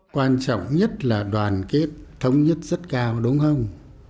quan trọng nhất là đoàn kết thống nhất rất cao đúng không